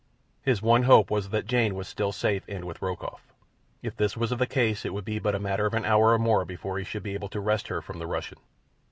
His one hope was that Jane was still safe and with Rokoff. If this was the case, it would be but a matter of an hour or more before he should be able to wrest her from the Russian.